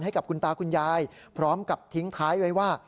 ให้กับคุณตาคุณยายพร้อมกับทิ้งท้ายไว้ว่า